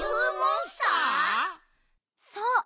そう！